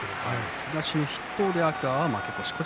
東の筆頭、天空海負け越しです。